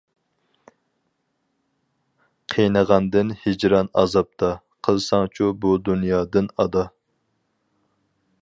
قىينىغاندىن ھىجران-ئازابتا، قىلساڭچۇ بۇ دۇنيادىن ئادا.